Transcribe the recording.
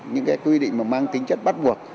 những cái quy định mà mang tính chất bắt buộc